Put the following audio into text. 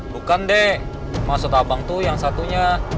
bukan dek masuk abang tuh yang satunya